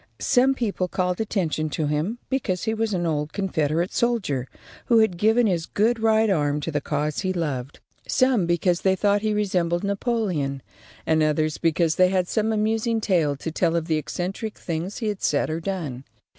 Some people called attention to him because he was an old Confederate soldier who had given his good right arm to the cause he loved, some because they thought he resembled Napoleon, and others because they had some amusing tale to tell of the eccentric things he had said or done.